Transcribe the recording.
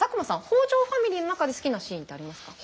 北条ファミリーの中で好きなシーンってありますか？